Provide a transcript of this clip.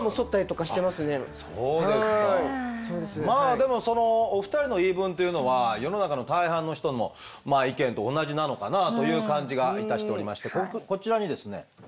まあでもそのお二人の言い分というのは世の中の大半の人の意見と同じなのかなという感じがいたしておりましてこちらにですね